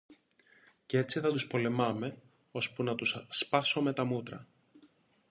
Κι έτσι θα τους πολεμάμε, ώσπου να τους σπάσομε τα μούτρα